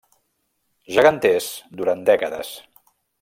Geganters durant dècades.